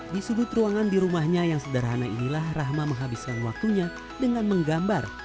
di sudut ruangan di rumahnya yang sederhana inilah rahma menghabiskan waktunya dengan menggambar